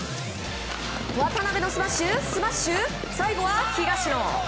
渡辺のスマッシュ、スマッシュ最後は東野。